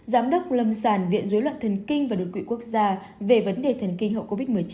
giám đốc lâm sàng viện dối loạn thần kinh và đột quỵ quốc gia về vấn đề thần kinh hậu covid một mươi chín